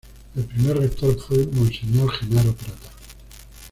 El primer rector fue el Monseñor Gennaro Prata.